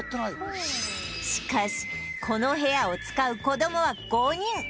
しかしこの部屋を使う子供は５人